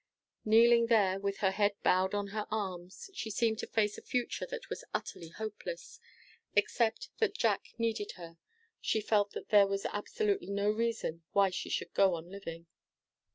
Kneeling there, with her head bowed on her arms, she seemed to face a future that was utterly hopeless. Except that Jack needed her, she felt that there was absolutely no reason why she should go on living.